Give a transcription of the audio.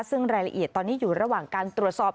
ซึ่งรายละเอียดตอนนี้อยู่ระหว่างการตรวจสอบ